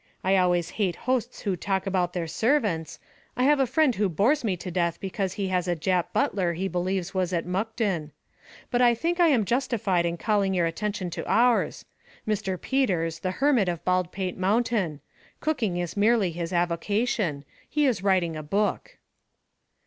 I always hate hosts who talk about their servants I have a friend who bores me to death because he has a Jap butler he believes was at Mukden. But I think I am justified in calling your attention to ours Mr. Peters, the Hermit of Baldpate Mountain. Cooking is merely his avocation. He is writing a book."